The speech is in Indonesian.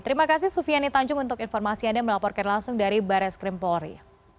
terima kasih sufiani tanjung untuk informasi yang dia melaporkan langsung dari barai skrim polri